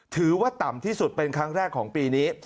ถือว่าต่ำที่สุดเป็นครั้งแรกของปีนี้